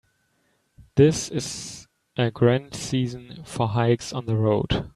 This is a grand season for hikes on the road.